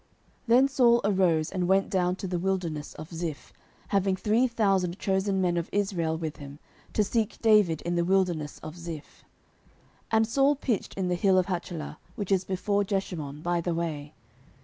09:026:002 Then Saul arose, and went down to the wilderness of Ziph, having three thousand chosen men of Israel with him, to seek David in the wilderness of Ziph. 09:026:003 And Saul pitched in the hill of Hachilah, which is before Jeshimon, by the way.